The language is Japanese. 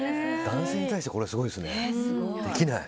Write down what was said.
男性に対してこれはすごいですね、できない。